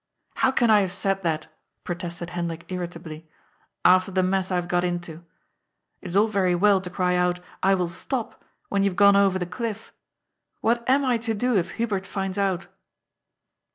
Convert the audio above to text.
"How can I haye said that," protested Hendrik irri tably, " after the mess I haye got into ? It is all yery well to cry out :* I will stop !' when you 'ye gone oyer the cliff. What am I to do, if Hubert finds out?